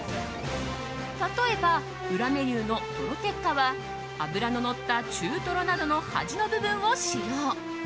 例えば、裏メニューのとろ鉄火は脂ののった中トロなどの端の部分を使用。